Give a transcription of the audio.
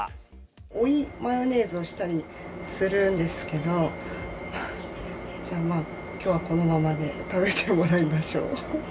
追いマヨネーズをしたりするんですけど、きょうはこのままで食べてもらいましょう。